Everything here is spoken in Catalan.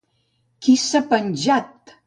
Qui s'ha penjat!